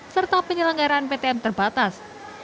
serta penyelenggaraan ptm terbatas